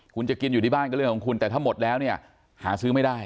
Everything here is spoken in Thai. คุณจะกินอยู่ที่บ้านก็เรื่องของคุณแต่ถ้าหมดแล้วเนี่ยหาซื้อไม่ได้